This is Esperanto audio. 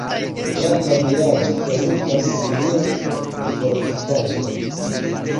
Tra la vilaĝo kondukas linio de fortikaĵoj.